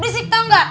risik tau nggak